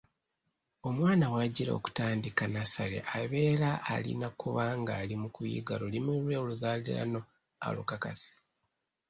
Omwana w’ajjira okutandika nnassale abeera alina kuba ng’ali mu kuyiga Lulimi lwe oluzaaliranwa alukakase.